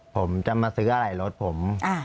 ผมจะมาซื้อหลายรถผม